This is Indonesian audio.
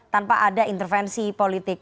tanpa ada intervensi politik